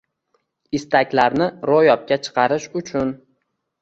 istaklarni ro‘yobga chiqarish uchun